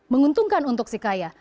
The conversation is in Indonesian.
menguntungkan untuk si kaya